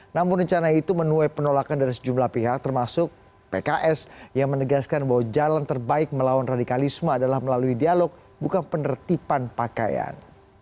namun rencana itu menuai penolakan dari sejumlah pihak termasuk pks yang menegaskan bahwa jalan terbaik melawan radikalisme adalah melalui dialog bukan penertiban pakaian